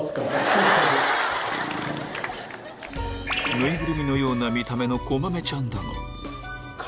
ぬいぐるみのような見た目のこまめちゃんだがハハハハ！